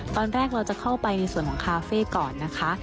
ตอนแรกเราจะเข้าไปในส่วนของคาเฟ่ก่อนนะคะ